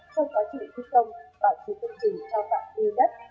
trong quá trình thức công bảo thủy công trình cho tạo tư đất